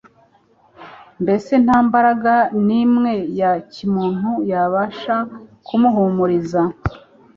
mbese nta mbaraga nimwe ya kimuntu yabasha kumuhumuriza.